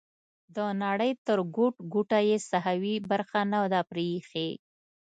د نړۍ تر ګوټ ګوټه یې ساحوي برخه نه ده پریښې.